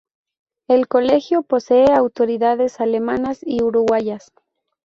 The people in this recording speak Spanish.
El colegio posee autoridades alemanas y uruguayas.